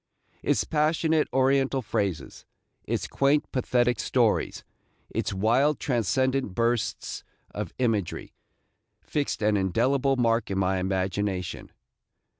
Its passionate Oriental phrases, its quaint, pathetic stories, its wild, transcendent bursts of imagery, fixed an indelible mark in my imagination.